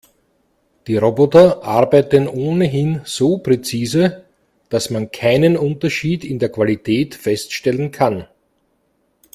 Die Roboter arbeiten ohnehin so präzise, dass man keinen Unterschied in der Qualität feststellen kann.